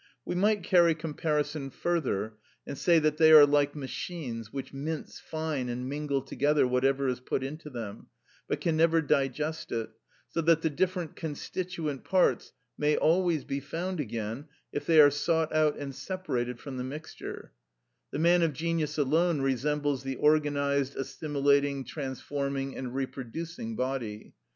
We might carry comparison further, and say that they are like machines which mince fine and mingle together whatever is put into them, but can never digest it, so that the different constituent parts may always be found again if they are sought out and separated from the mixture; the man of genius alone resembles the organised, assimilating, transforming and reproducing body.